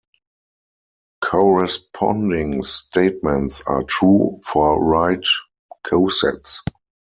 Corresponding statements are true for right cosets.